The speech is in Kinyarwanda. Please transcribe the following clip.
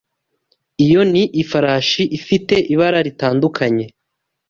Iyo ni ifarashi ifite ibara ritandukanye.